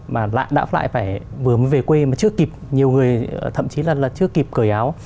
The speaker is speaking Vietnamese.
mà đã lại phải vừa mới về quê mà chưa kịp nhiều người thậm chí là chưa kịp cởi áo